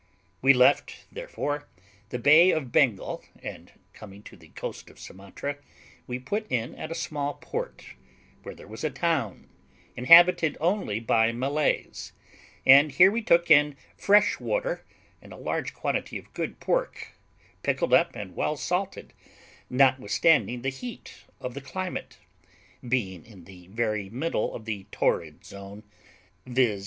We left, therefore, the Bay of Bengal, and coming to the coast of Sumatra, we put in at a small port, where there was a town, inhabited only by Malays; and here we took in fresh water, and a large quantity of good pork, pickled up and well salted, notwithstanding the heat of the climate, being in the very middle of the torrid zone, viz.